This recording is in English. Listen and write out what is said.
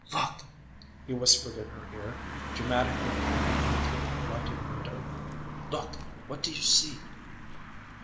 "Look!" he whispered in her ear, dramatically pointing in through the lighted window. "Look! What do you see?"